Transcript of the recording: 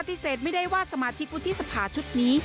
ปฏิเสธไม่ได้ว่าสมาชิกวุฒิสภาชุดนี้